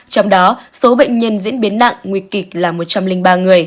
trong đó số bệnh nhân diễn biến nặng nguy kịch là một trăm linh ba người